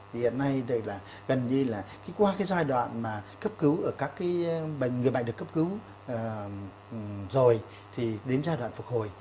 hiện nay đây là gần như là qua cái giai đoạn mà cấp cứu ở các cái người bệnh được cấp cứu rồi thì đến giai đoạn phục hồi